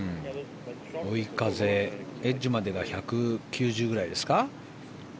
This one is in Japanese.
追い風、エッジまで１９０ぐらいですか。